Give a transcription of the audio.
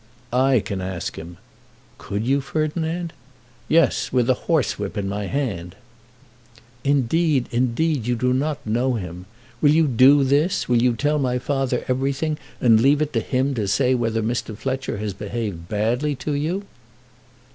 "I can ask him." "Could you, Ferdinand?" "Yes; with a horsewhip in my hand." "Indeed, indeed you do not know him. Will you do this; will you tell my father everything, and leave it to him to say whether Mr. Fletcher has behaved badly to you?"